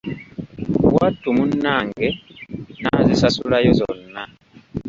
Wattu munnange n'azisasulayo zonna.